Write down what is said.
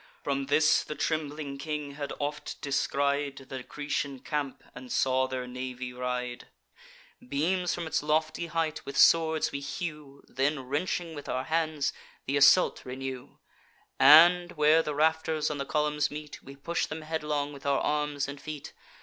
From this the trembling king had oft descried The Grecian camp, and saw their navy ride. Beams from its lofty height with swords we hew, Then, wrenching with our hands, th' assault renew; And, where the rafters on the columns meet, We push them headlong with our arms and feet.